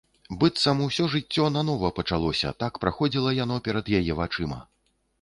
Быццам усё жыццё нанава пачалося, так праходзіла яно перад яе вачыма.